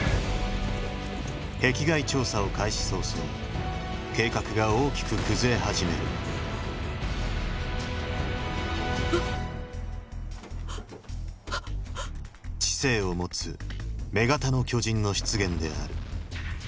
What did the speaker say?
壁外調査を開始早々計画が大きく崩れ始める知性を持つ「女型の巨人」の出現である。